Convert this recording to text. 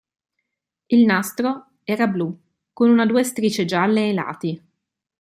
Il "nastro" era blu con una due strisce gialle ai lati.